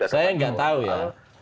saya nggak tahu ya